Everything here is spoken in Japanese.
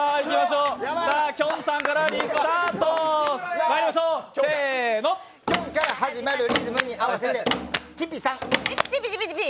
きょんさんからリスタート、きょんから始まるリズムに合わせてちぴちぴちぴ。